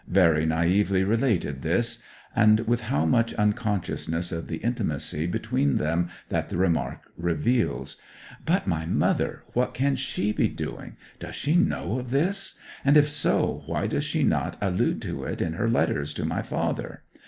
Very naively related this; and with how much unconsciousness of the intimacy between them that the remark reveals! But my mother what can she be doing? Does she know of this? And if so, why does she not allude to it in her letters to my father?